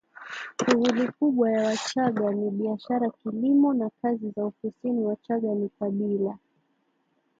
Shughuli kubwa ya Wachagga ni biashara kilimo na kazi za ofisiniWachagga ni kabila